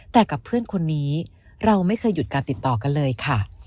แต่กับเพื่อนคนนี้เราไม่เคยหยุดการติดต่อกันเลยค่ะ